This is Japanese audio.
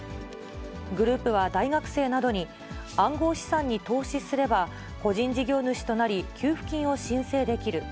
グループは大学生などに、暗号資産に投資すれば、個人事業主となり、給付金を申請できる。